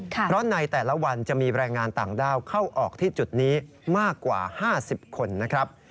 เพราะในแต่ละวันจะมีแรงงานต่างด้าวเข้าออกที่จุดนี้มากกว่า๕๐คนนะครับ